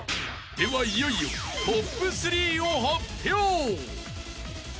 ［ではいよいよトップ３を発表！］